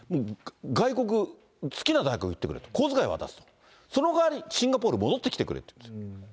外国、好きな大学いってくれと、小遣い渡すと、そのかわりシンガポール戻ってきてくれと。